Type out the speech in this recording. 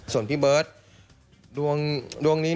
ส่วนพี่เบิร์ตดวงนี้